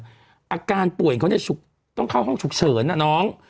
อาการป่วยเขาเนี่ยต้องเข้าห้องฉุกเฉินนะน้อง